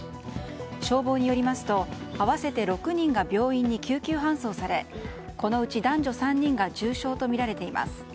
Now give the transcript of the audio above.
消防によりますと合わせて６人が病院に救急搬送されこのうち男女３人が重傷とみられています。